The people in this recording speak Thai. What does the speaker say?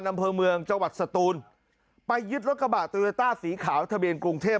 อำเภอเมืองจังหวัดสตูนไปยึดรถกระบะโตโยต้าสีขาวทะเบียนกรุงเทพ